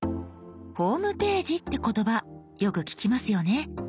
「ホームページ」って言葉よく聞きますよね。